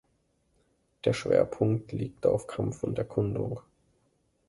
Der Schwerpunkt liegt auf Kampf und Erkundung.